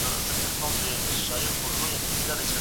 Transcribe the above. ابن خلدون د تاریخ د فلسفې بنسټ ایښودونکی دی.